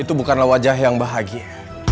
itu bukanlah wajah yang bahagia